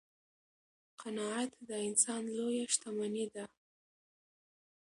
قناعت د انسان لویه شتمني ده.